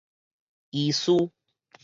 醫師